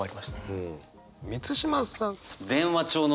満島さん。